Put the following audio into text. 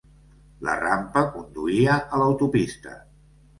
La rampa conduïa a l'autopista.